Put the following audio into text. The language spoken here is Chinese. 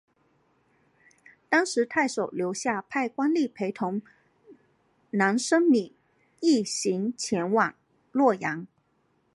当时太守刘夏派官吏陪同难升米一行前往洛阳。